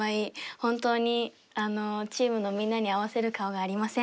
本当にチームのみんなに合わせる顔がありません。